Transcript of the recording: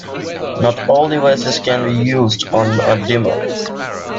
Not all devices can be used on a dimmer.